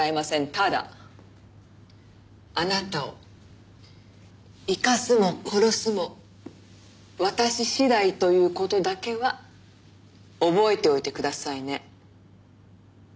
ただあなたを生かすも殺すも私次第という事だけは覚えておいてくださいね。